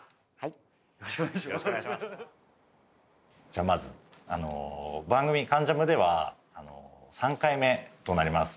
じゃあまず番組『関ジャム』では３回目となります。